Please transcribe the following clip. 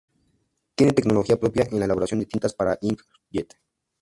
Tiene tecnología propia en la elaboración de tintas para ink-jet.